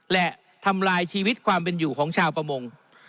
และทำลายชีวิตความเป็นอยู่ของชาวประมง